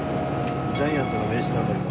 ジャイアンツの名刺なんだけど。